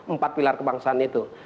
empat pilar kebangsaan itu